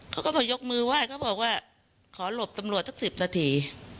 เขาก็มายกมือไหว้เขาบอกว่าขอหลบตำรวจสัก๑๐นาที